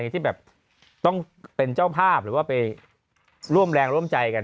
ที่แบบต้องเป็นเจ้าภาพหรือว่าไปร่วมแรงร่วมใจกัน